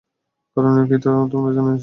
করণীয় কী তা তোমার জানাই আছে।